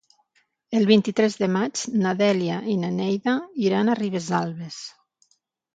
El vint-i-tres de maig na Dèlia i na Neida iran a Ribesalbes.